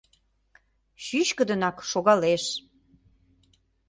Чӱчкыдынак шогалеш.